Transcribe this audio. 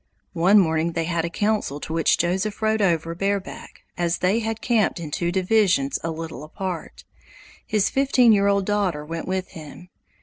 One morning they had a council to which Joseph rode over bareback, as they had camped in two divisions a little apart. His fifteen year old daughter went with him.